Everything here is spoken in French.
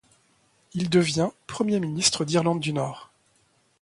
Il devient Premier ministre d'Irlande du Nord.